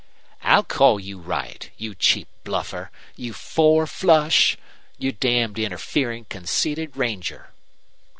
"I'll call you right. You cheap bluffer! You four flush! You damned interfering, conceited ranger!"